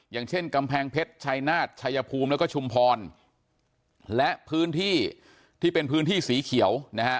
อย่างเช่นกำแพงเพชรชัยนาฏชายภูมิแล้วก็ชุมพรและพื้นที่ที่เป็นพื้นที่สีเขียวนะฮะ